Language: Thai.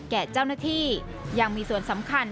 แก่เจ้าหน้าที่ยังมีส่วนสำคัญ